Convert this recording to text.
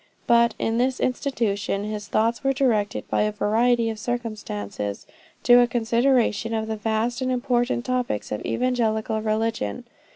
"But in this institution his thoughts were directed by a variety of circumstances, to a consideration of the vast and important topics of evangelical religion.